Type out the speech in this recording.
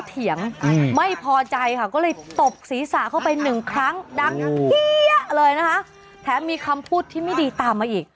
เหี้ยะเลยนะคะแถมมีคำพูดที่ไม่ดีตามมาอีก